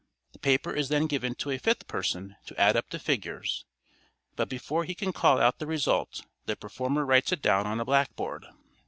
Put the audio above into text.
The paper is then given to a fifth person to add up the figures, but before he can call out the result the performer writes it down on a blackboard.